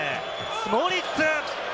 モリッツ！